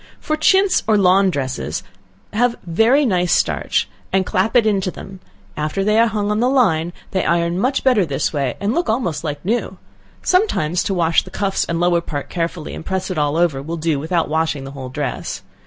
For chintz or lawn dresses have very nice starch, and clap it into them, after they are hung on the line, they iron much better this way, and look almost like new, sometimes to wash the cuffs and lower part carefully, and press it all over, will do without washing the whole dress.